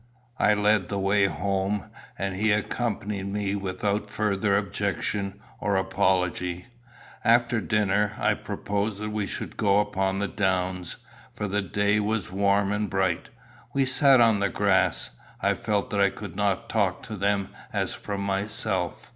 I led the way home, and he accompanied me without further objection or apology. After dinner, I proposed that we should go upon the downs, for the day was warm and bright. We sat on the grass. I felt that I could not talk to them as from myself.